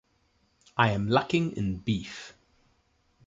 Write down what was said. I am lacking in beef.